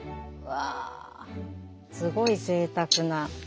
すごいぜいたくな。